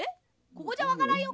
「ここじゃわからんよ。